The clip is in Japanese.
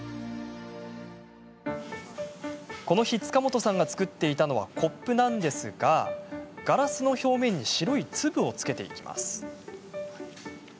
この日、塚本さんが作っていたのはコップなんですがガラスの表面に白い粒を付けていきます。